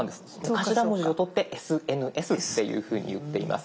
頭文字をとってＳＮＳっていうふうに言っています。